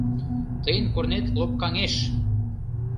Тыйын корнет лопкаҥеш!